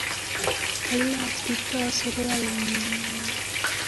Kailach Kiptoo surualinyi nelel